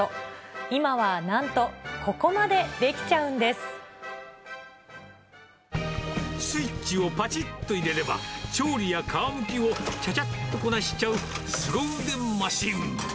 今はなんと、ここまでできちゃうスイッチをぱちっと入れれば、調理や皮むきをちゃちゃっとこなしちゃうすご腕マシン。